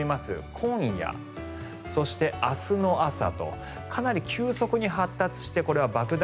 今夜、そして明日の朝とかなり急速に発達してこれは爆弾